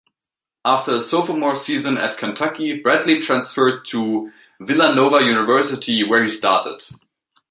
After his sophomore season at Kentucky, Bradley transferred to Villanova University where he started.